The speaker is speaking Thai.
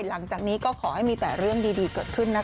หลังจากนี้ก็ขอให้มีแต่เรื่องดีเกิดขึ้นนะคะ